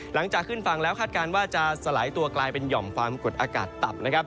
หลังจากขึ้นฝั่งแล้วคาดการณ์ว่าจะสลายตัวกลายเป็นหย่อมความกดอากาศต่ำนะครับ